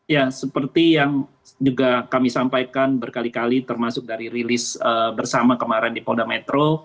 ya seperti yang juga kami sampaikan berkali kali termasuk dari rilis bersama kemarin di polda metro